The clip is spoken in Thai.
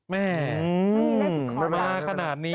แม่ไม่มีเลขที่ขอต่อมาขนาดนี้